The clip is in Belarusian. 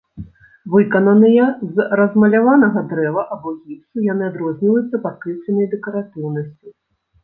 Выкананыя з размаляванага дрэва або гіпсу, яны адрозніваюцца падкрэсленай дэкаратыўнасцю.